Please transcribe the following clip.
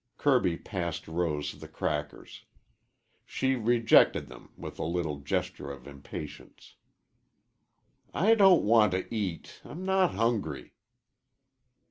Kirby passed Rose the crackers. She rejected them with a little gesture of impatience. "I don't want to eat. I'm not hungry."